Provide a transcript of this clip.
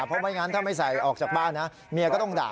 เพราะไม่งั้นถ้าไม่ใส่ออกจากบ้านนะเมียก็ต้องด่า